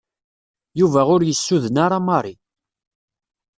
Yuba ur yessuden ara Mary.